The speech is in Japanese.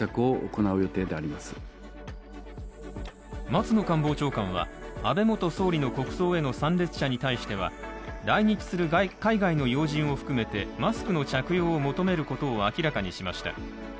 松野官房長官は安倍元総理の国葬への参列者に対しては、来日する海外の要人を含めてマスクの着用を求めることを明らかにしました。